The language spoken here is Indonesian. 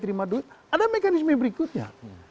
terima duit ada mekanisme berikutnya